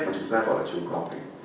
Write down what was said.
mà chúng ta gọi là trúng cọp